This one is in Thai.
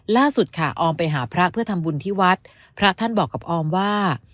ล่าสุดค่ะออมไปหาพระเพื่อทำบุญที่วัดพระท่านบอกกับออมว่า